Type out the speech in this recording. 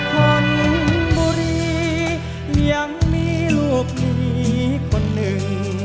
คนบุรียังมีลูกหนีคนหนึ่ง